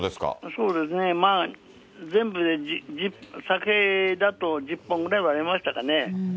そうですね、まあ、全部で酒だと１０本ぐらい割れましたかね。